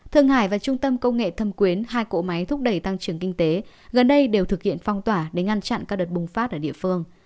thương hải và trung tâm công nghệ thâm quyến hai cỗ máy thúc đẩy tăng trưởng kinh tế gần đây đều thực hiện phong tỏa để ngăn chặn các đợt bùng phát ở địa phương